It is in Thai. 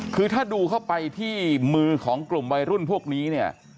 คือถ้าดูเข้าไปที่มือของกลุ่มวัยรุ่นพวกนี้เนี่ย